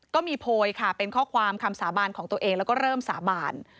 ก็มีโพยค่ะเป็นข้อความคำสาบานของตัวเองแล้วก็เริ่มสาบาน